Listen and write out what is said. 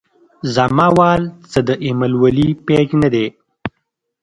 زما وال څۀ د اېمل ولي پېج نۀ دے